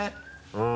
うん。